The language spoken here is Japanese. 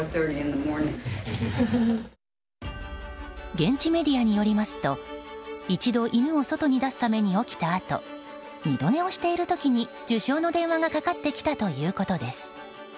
現地メディアによりますと一度、犬を外に出すために起きたあと二度寝をしている時に受賞の電話がかかってきたということです。